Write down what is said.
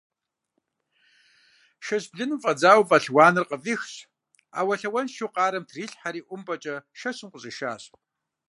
Шэщ блыным фӀэдзауэ фӀэлъ уанэр къыфӀихщ, Ӏэуэлъауэншэу къарэм трилъхьэри ӀумпӀэкӀэ шэщым къыщӀишащ.